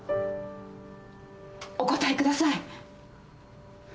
お答えください。